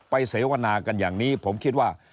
เสวนากันอย่างนี้ผมคิดว่า